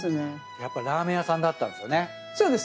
やっぱラーメン屋さんだったんですよね。